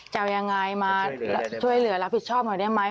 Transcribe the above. จะเอายังไงมาช่วยเหลือรับผิดชอบหน่อยได้ไหม